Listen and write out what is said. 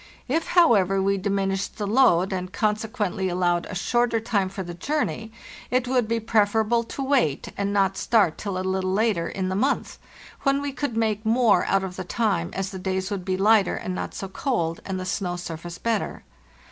If, however, we diminished the load, and conse quently allowed a shorter time for the journey, it would be preferable to wait, and not start till a little later in the month, when we could make more out of the time, as the days would be lighter and not so cold and the snow surface better.